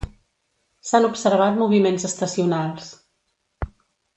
S'han observat moviments estacionals.